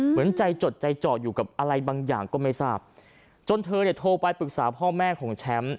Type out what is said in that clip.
เหมือนใจจดใจเจาะอยู่กับอะไรบางอย่างก็ไม่ทราบจนเธอเนี่ยโทรไปปรึกษาพ่อแม่ของแชมป์